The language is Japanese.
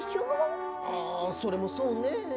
あそれもそうね。